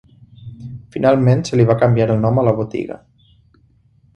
Finalment, se li va canviar el nom a la botiga.